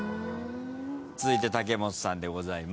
続いて武元さんでございます。